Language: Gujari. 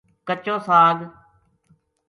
کچو ساگ